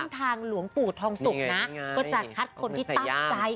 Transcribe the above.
ทางหลวงปู่ทองสุกนะก็จะคัดคนที่ตั้งใจ